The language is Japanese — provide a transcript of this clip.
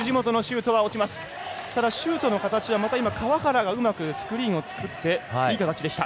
シュートの形は川原がうまくスクリーンを作っていい形でした。